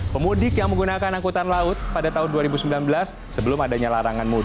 pemudik yang menggunakan angkutan udara